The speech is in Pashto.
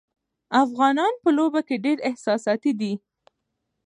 افغانان په لوبو کې ډېر احساساتي دي.